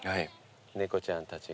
猫ちゃんたちが。